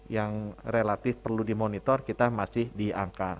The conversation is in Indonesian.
yang relatif perlu dimonitor kita masih di angka